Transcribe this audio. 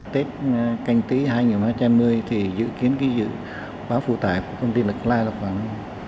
tết canh tí hai nghìn hai mươi thì dự kiến ký dự báo phụ tải của công ty điện lực gia lai là khoảng